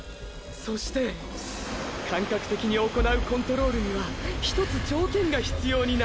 そして感覚的に行うコントロールにはひとつ条件が必要になります。